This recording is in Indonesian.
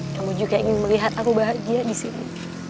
kamu juga ingin melihat aku bahagia di sini